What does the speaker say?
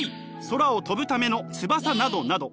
空を飛ぶための翼などなど。